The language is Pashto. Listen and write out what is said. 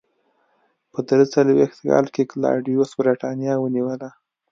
په درې څلوېښت کال کې کلاډیوس برېټانیا ونیوله.